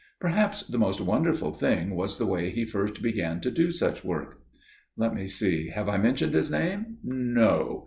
"Perhaps the most wonderful thing was the way he first began to do such work. Let me see, have I mentioned his name? No?